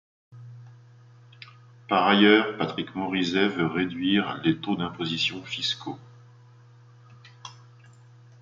Par ailleurs, Patrick Morrisey veut réduire les taux d'imposition fiscaux.